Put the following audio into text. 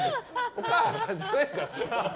お母さんじゃないから。